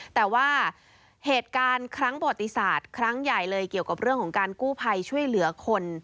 แต่ว่าเหตุการณ์ครั้งประวัติศาสตร์ครั้งใหญ่เลยเกี่ยวกับเรื่องของการกู้ภัยช่วยเหลือคน